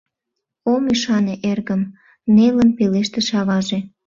— Ом ӱшане, эргым, — нелын пелештыш аваже.